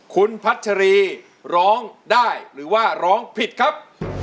คุณพัชรีร้องได้หรือว่าร้องผิดครับ